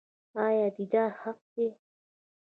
آیا دیدار حق دی؟